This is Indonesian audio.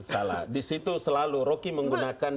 salah disitu selalu rocky menggunakan